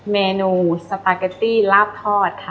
เมนูสปาเกตตี้ลาบทอดค่ะ